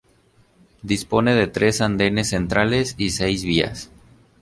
Dispone de tres andenes centrales y de seis vías.